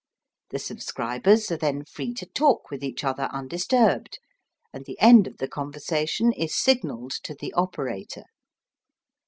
The subscribers are then free to talk with each other undisturbed, and the end of the conversation is signalled to the operator.